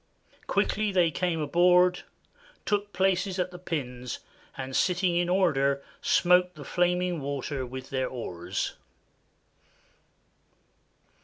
Quickly they came aboard, took places at the pins, and sitting in order smote the flaming water with their oars.